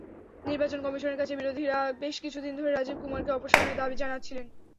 নির্বাচন কমিশনের কাছে বিরোধীরা বেশ কিছুদিন ধরেই রাজীব কুমারকে অপসারণের দাবি জানাচ্ছিলেন।